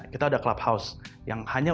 kita ada clubhouse yang hanya